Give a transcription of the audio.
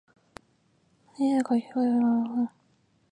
あいうえおかきくけこさしすせそたちつてとなにぬねのはひふへほ